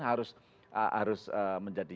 harus harus menjadi